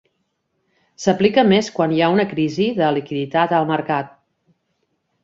S'aplica més quan hi ha una crisi de liquiditat al mercat.